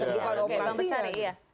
belum besar iya